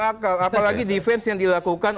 akal apalagi defense yang dilakukan